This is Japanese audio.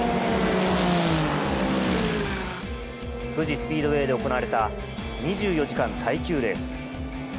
富士スピードウェイで行われた２４時間耐久レース。